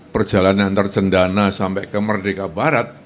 perjalanan antar jendana sampai ke merdeka barat